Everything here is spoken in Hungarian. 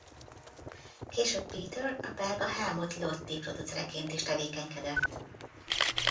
Később Peter a belga Helmut Lotti producereként is tevékenykedett.